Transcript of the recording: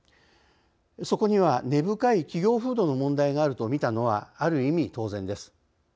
そこには根深い企業風土の問題があるとみたのはある意味当然です。